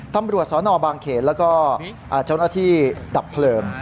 ตำรวจสนบางเขนแล้วก็เจ้าหน้าที่ดับเพลิง